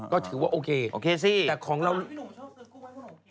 ก็ถือว่าโอเคแต่ของเราพี่หนูชอบซื้อกุ้งไว้ให้พี่หนูกิน